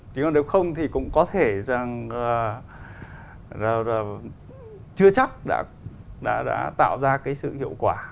chứ còn nếu không thì cũng có thể rằng chưa chắc đã tạo ra cái sự hiệu quả